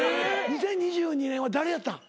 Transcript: ２０２２年は誰やったん？